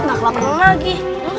enggak kelaparan lagi